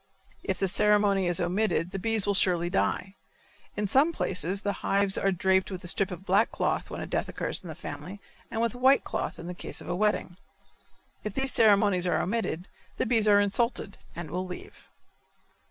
If this ceremony is omitted the bees will surely die. In some places the hives are draped with a strip of black cloth when a death occurs in the family and with white cloth in case of a wedding. If these ceremonies are omitted the bees are insulted and will leave.